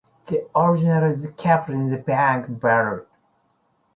The original is kept in a bank vault.